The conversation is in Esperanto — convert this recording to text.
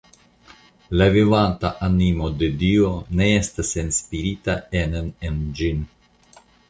La vivanta animo de Dio ne estas enspirita enen en ĝin.